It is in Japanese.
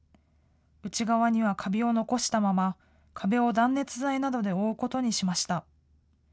内側にはカビを残したまま、壁を断熱材などで覆うことにしました。